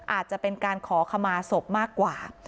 อาจจะเป็นการขอขมาศพมากกว่า